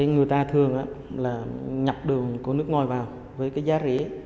người ta thường nhập đường của nước ngoài vào với giá rỉ